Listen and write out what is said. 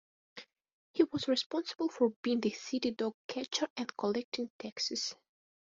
He was responsible for being the city's dog catcher and collecting taxes.